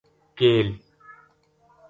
کیل